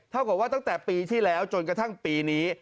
เท่ากับว่าตั้งแต่ปีที่แล้วจนกระทั่งปีนี้